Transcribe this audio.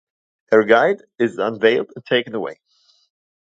Her guide is unveiled and taken away.